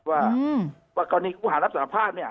ว่ากรณีภาพรับสารภาพเนี่ย